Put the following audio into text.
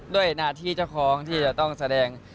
ด้วยหน้าที่เจ้าของที่จะต้องแสดง